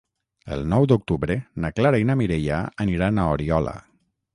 El nou d'octubre na Clara i na Mireia aniran a Oriola.